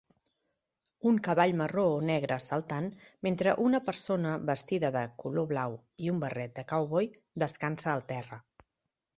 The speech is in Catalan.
Un cavall marró o negre saltant, mentre una persona vestida de color blau i un barret de cowboy descansa al terra.